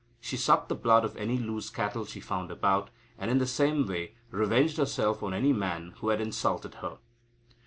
She sucked the blood of any loose cattle she found about, and, in the same way, revenged herself on any man who had insulted her.